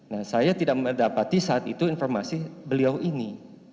nah saya tidak mendapati saat itu informasi beliau ini